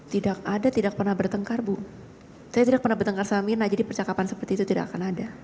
tidak ada tidak pernah bertengkar bu saya tidak pernah bertengkar sama mirna jadi percakapan seperti itu tidak akan ada